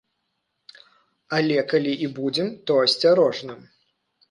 Але калі і будзем, то асцярожна!